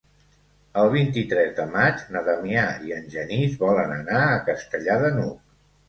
El vint-i-tres de maig na Damià i en Genís volen anar a Castellar de n'Hug.